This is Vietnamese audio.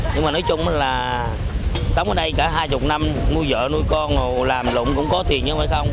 nhưng mà nói chung là sống ở đây cả hai mươi năm nuôi vợ nuôi con làm lụng cũng có tiền chứ không phải không